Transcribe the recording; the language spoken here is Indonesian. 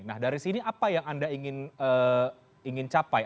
nah dari sini apa yang anda ingin capai